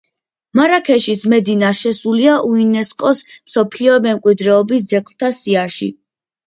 მარაქეშის მედინა შესულია იუნესკოს მსოფლიო მემკვიდრეობის ძეგლთა სიაში.